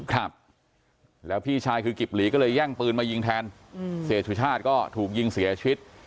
ครับแล้วพี่ชายคือกิบหลีก็เลยแย่งปืนมายิงแทนอืมเสียสุชาติก็ถูกยิงเสียชีวิต